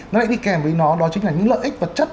nó lại đi kèm với nó chính là những lợi ích vật chất